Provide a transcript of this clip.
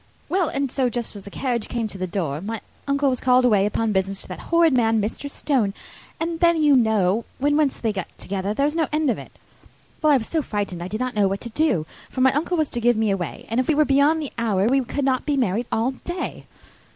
"Well, and so, just as the carriage came to the door, my uncle was called away upon business to that horrid man Mr. Stone. And then, you know, when once they get together, there is no end of it. Well, I was so frightened I did not know what to do, for my uncle was to give me away; and if we were beyond the hour we could not be married all day.